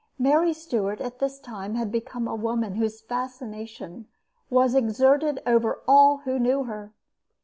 Mary Stuart at this time had become a woman whose fascination was exerted over all who knew her.